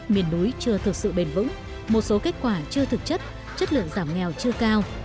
miền núi chưa thực sự bền vững một số kết quả chưa thực chất chất lượng giảm nghèo chưa cao